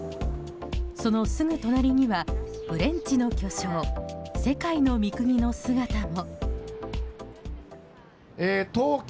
そのすぐ隣にはフレンチの巨匠世界の三國の姿も。